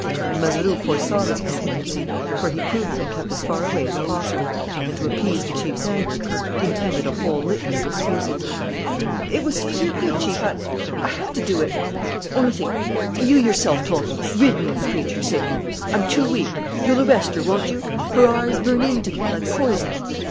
And Mazeroux foresaw this contingency, for he prudently kept as far away as possible and, to appease the chief's anger, intended a whole litany of excuses: "It was for your good, Chief.... I had to do it ... Only think! You yourself told me: 'Rid me of the creature!' said you. I'm too weak. You'll arrest her, won't you? Her eyes burn into me like poison!